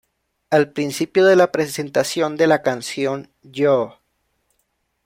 Al principio de la presentación de la canción ""Yo!